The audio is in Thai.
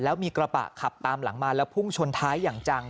แล้วมีกระบะขับตามหลังมาแล้วพุ่งชนท้ายอย่างจัง